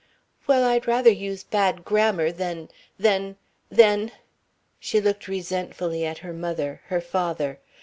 "Well, I'd rather use bad grammar than than than " she looked resentfully at her mother, her father.